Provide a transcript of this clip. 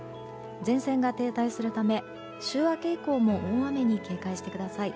前線が停滞するため週明け以降も大雨に警戒してください。